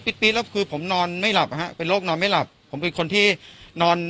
ปี๊ดแล้วคือผมนอนไม่หลับนะฮะเป็นโรคนอนไม่หลับผมเป็นคนที่นอน